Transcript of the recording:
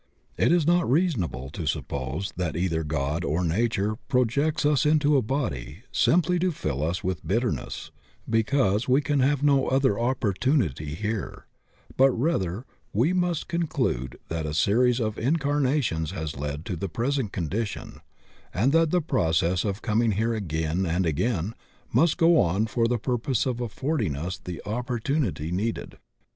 It is not reasonable to suppose that either God or nature pro jects us into a body simply to fill us with bitterness because we can have no other opportunity here, but rather we must conclude that a series of incarnations has led to the present condition, and that the process of coming here again and again must go on for die purpose of affording us the opportunity needed.